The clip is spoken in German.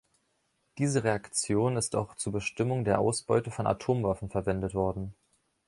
Diese Reaktion ist auch zur Bestimmung der Ausbeute von Atomwaffen verwendet worden.